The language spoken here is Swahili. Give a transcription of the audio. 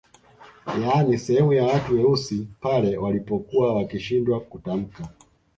Yaani sehemu ya watu weusi pale walipokuwa wakishindwa kutamka